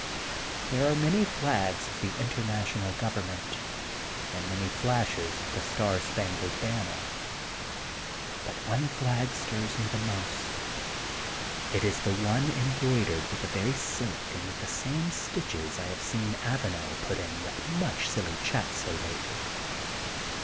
There are many flags of the International Government and many flashes of the Star Spangled Banner. But one flag stirs me the most. It is the one THE GOLDEN BOOK OF SPRINGFIELD lid embroidered witlv the very silk and with the very same stitches I have seen Avanel put in with mnch silly chat so lately.